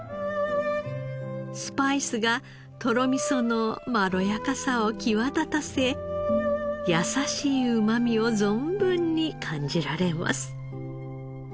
スパイスがとろみそのまろやかさを際立たせやさしいうまみを存分に感じられます。